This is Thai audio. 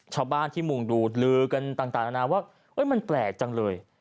ชาวบ้านที่มุงดูลือกันต่างนานาว่ามันแปลกจังเลย